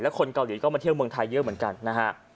คนเกาหลีก็มาเที่ยวเมืองไทยเยอะเหมือนกันนะฮะ